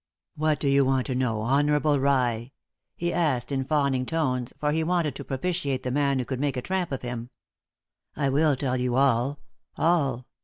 "What do you want to know, honourable rye?" he asked, in fawning tones, for he wanted to propitiate the man who could make a tramp of him. "I will tell you all all.